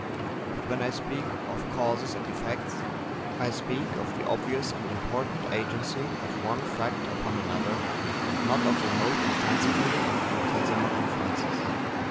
But when I speak of Causes and Effects, I speak of the obvious and important agency of one fact upon another, and not of remote and fancifully infinitesimal influences.